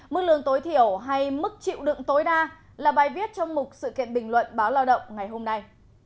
mức lương tối thiểu hay mức chịu đựng tối đa là bài viết trong một sự kiện bình luận báo lao động ngày hôm nay